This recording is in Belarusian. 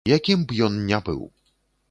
Якім б ён не быў.